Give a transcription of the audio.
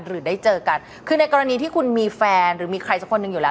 หรือได้เจอกันคือในกรณีที่คุณมีแฟนหรือมีใครสักคนหนึ่งอยู่แล้ว